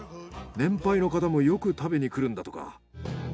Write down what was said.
年配の方もよく食べに来るんだとか。